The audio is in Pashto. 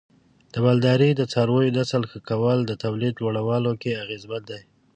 د مالدارۍ د څارویو نسل ښه کول د تولید لوړولو کې اغیزمن دی.